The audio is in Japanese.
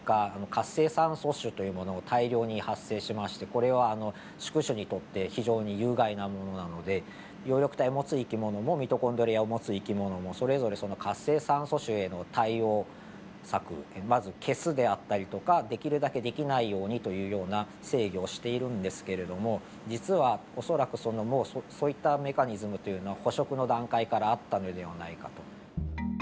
活性酸素種というものを大量に発生しましてこれは宿主にとって非常に有害なものなので葉緑体を持つ生き物もミトコンドリアを持つ生き物もそれぞれその活性酸素種への対応策まず消すであったりとかできるだけ出来ないようにというような制御をしているんですけれども実は恐らくもうそういったメカニズムというのは捕食の段階からあったのではないかと。